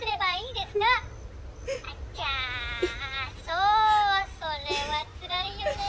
そうそれはつらいよね。